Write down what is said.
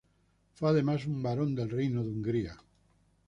Fue además un barón del reino de Hungría.